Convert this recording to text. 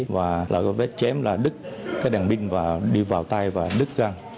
và lợi vết chém là đứt đèn binh đi vào tay và đứt gân